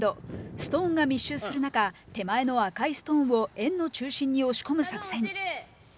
ストーンが密集する中手前の赤いストーンを円の中心に押し込む作戦。